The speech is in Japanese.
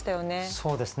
そうですね